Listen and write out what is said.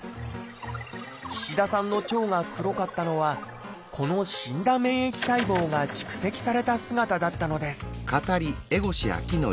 岸田さんの腸が黒かったのはこの死んだ免疫細胞が蓄積された姿だったのです